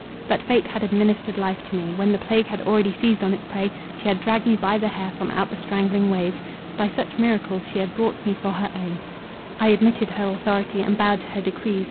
But fate had administered life to me, when the plague had already seized on its prey—she had dragged me by the hair from out the strangling waves—By such miracles she had bought me for her own; I admitted her authority, and bowed to her decrees.